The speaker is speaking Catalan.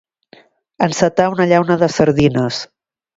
Encetar una llauna de sardines.